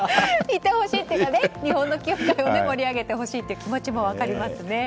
いてほしいというか日本の球界を盛り上げてほしいという気持ちも分かりますね。